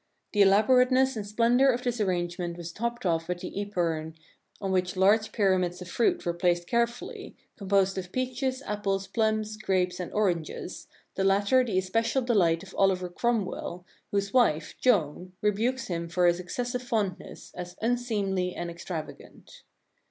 The elaborateness and splendor of this arrangement was topped off with the Epergne, on which large pyramids of fruit were placed care Banquet of Sweetmeats Early seventeenth century fully, composed of peaches, apples, plums, grapes, and oranges, the latter the especial delight of Oliver Cromwell, whose wife, Joan, rebukes him for his excessive fondness, as unseemly and extravagant.